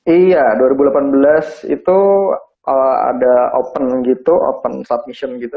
iya dua ribu delapan belas itu ada open gitu open submission gitu